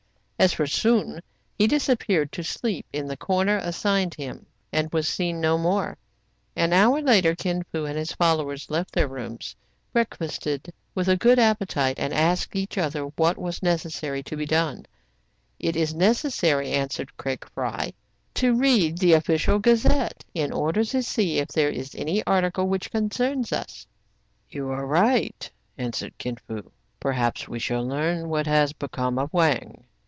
As for Soun, he disappeared to sleep in the corner assigned him, and was seen no more. An hour later Kin Fo and his followers left their rooms, breakfasted with a good appetite, and asked each other what was necessary to be done. "It is necessary," answered Craig Fry, "to 138 TRIBULATIONS OF A CHINAMAN. read * The Official Gazette/ in order to see if there is any article which concerns us." You arc right,'* answered Kin Fo. "Perhaps we shall learn what has become of Wang.'